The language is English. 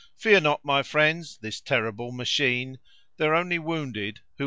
Fear not, my friends, this terrible machine, They're only wounded who have shares therein."